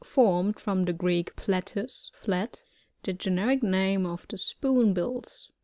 (Formed from the Greek, platus, flat) The Generic name of the Spoonbills.